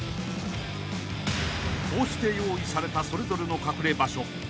［こうして用意されたそれぞれの隠れ場所］